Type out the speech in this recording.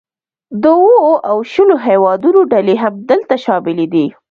د اوو او شلو هیوادونو ډلې هم دلته شاملې دي